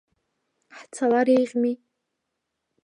Ҳцалар еиӷьми?